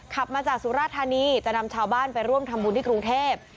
ขับมาจากสุราธานีจะนำชาวบ้านไปร่วมทำบุญที่กรุงเทพ